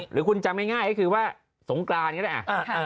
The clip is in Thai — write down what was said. หรือคุณจำง่ายก็คือว่าสงกรานก็ได้